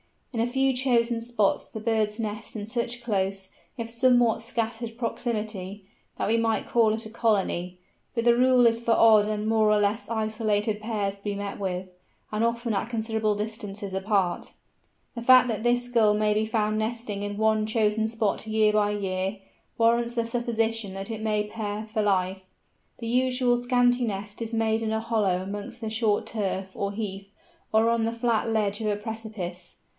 In a few chosen spots the birds nest in such close, if somewhat scattered proximity, that we might call it a colony, but the rule is for odd and more or less isolated pairs to be met with, and often at considerable distances apart. The fact that this Gull may be found nesting in one chosen spot year by year, warrants the supposition that it may pair for life. The usually scanty nest is made in a hollow amongst the short turf, or heath, or on the flat ledge of a precipice.